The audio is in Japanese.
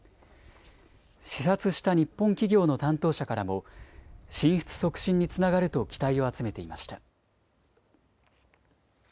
視察した日本企業の担当者からも進出促進につながると期待を集めていました。